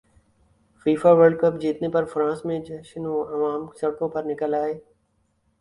FIFA World cup جیتنے پر France میں جشنعوام سڑکوں پر نکل ائے